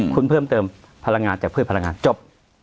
คุณเพิ่มเติมพลังงานจากพืชพลังงานจบ